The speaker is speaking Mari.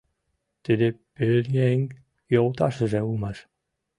Тиде пӧръеҥ «Йолташыже» улмаш.